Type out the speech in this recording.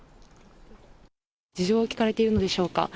事情を聴かれているのでしょうか。